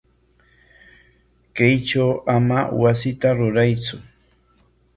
Kaytraw ama wasita ruraytsu.